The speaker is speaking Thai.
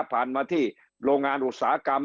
มาที่โรงงานอุตสาหกรรม